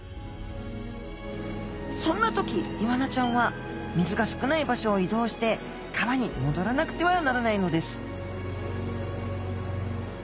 そんな時イワナちゃんは水が少ない場所を移動して川にもどらなくてはならないのです